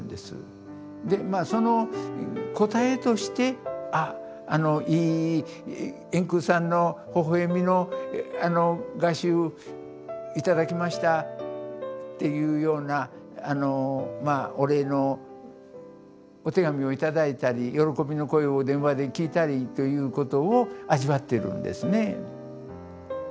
でまあその答えとしてあのいい円空さんのほほえみの画集頂きましたっていうようなまあお礼のお手紙を頂いたり喜びの声を電話で聞いたりということを味わってるんですね。